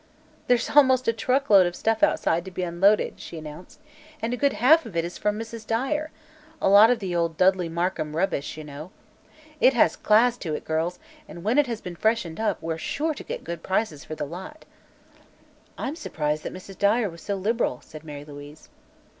"There's almost a truck load of stuff outside, to be unloaded," she announced, "and a good half of it is from Mrs. Dyer a lot of the old Dudley Markham rubbish, you know. It has class to it, girls, and when it has been freshened up, we're sure to get good prices for the lot." "I'm surprised that Mrs. Dyer was so liberal," said Mary Louise.